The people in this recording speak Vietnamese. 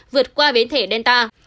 vượt qua biến thể delta